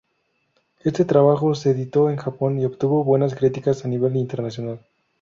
Este trabajo se editó en Japón y obtuvo buenas críticas a nivel internacional.